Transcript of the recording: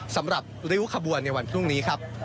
สำหรับริ้วขบวนในวันพรุ่งนี้ครับ